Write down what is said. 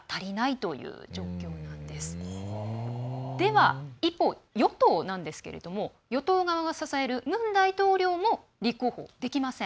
では、一方の与党なんですが与党側が支えるムン大統領も立候補できません。